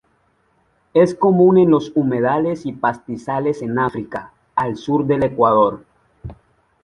Es común en los humedales y pastizales en África, al sur del Ecuador.